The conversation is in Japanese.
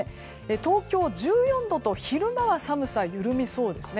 東京、１４度と昼間は寒さ、緩みそうですね。